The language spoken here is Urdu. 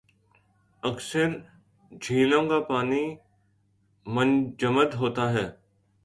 اکثر جھیلوں کا پانی منجمد ہوتا ہے